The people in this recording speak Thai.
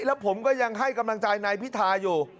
แล้วผมก็ยังให้กำลังใจนายพิธาอยู่